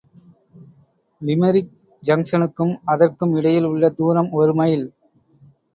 Limerick ஜங்ஷனுக்கும் அதற்கும் இடையில் உள்ள தூரம் ஒரு மைல்.